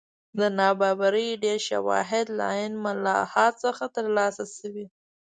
د نابرابرۍ ډېر شواهد له عین ملاحا څخه ترلاسه شوي.